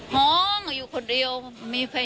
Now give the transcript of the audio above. ห้องอยู่คนเดียวมีไฟยิ้นแหละ